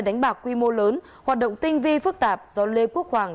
đánh bạc quy mô lớn hoạt động tinh vi phức tạp do lê quốc hoàng